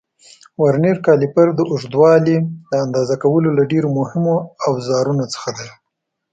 ورنیر کالیپر د اوږدوالي د اندازه کولو له ډېرو مهمو اوزارونو څخه دی.